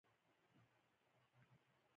باز د ښکار زړه نه ډاروي